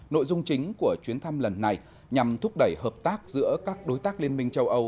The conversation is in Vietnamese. nội dung chính của chuyến thăm lần này nhằm thúc đẩy hợp tác giữa các đối tác liên minh châu âu